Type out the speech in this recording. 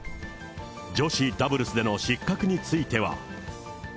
女子ダブルスでの失格については。